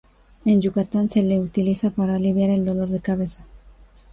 En Yucatán se le utiliza para aliviar el dolor de cabeza.